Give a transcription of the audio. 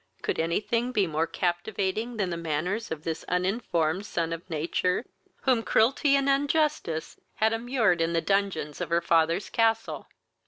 could any thing be more captivating than the manners of this uninformed son of nature, whom cruelty and injustice had immured in the dungeons of her father's castle!